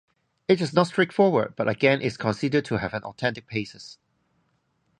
It is not straightforward, but again is considered to have an authentic basis.